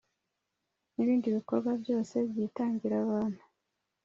n ibindi bikorwa byose byitangira abantu